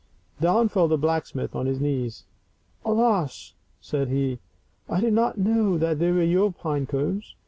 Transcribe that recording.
Down fell the blacksmith on his knees. " Alas !" said he, " I did not know that they were your pine cones.